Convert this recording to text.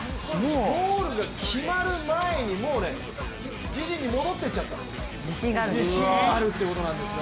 ゴールが決まる前にもう自陣に戻っていっちゃったんです。